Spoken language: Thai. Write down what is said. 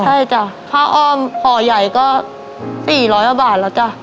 ใช่จ้ะพระออมห่อใหญ่ก็๔๐๐บาทแล้วจ้ะ